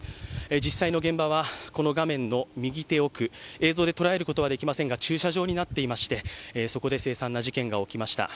実際の現場はこの画面の右手奥、映像で捉えることはできませんが駐車場になっていまして、そこで凄惨な事件が起きました。